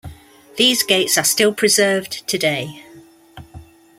These gates are still preserved today.